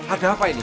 ada apa ini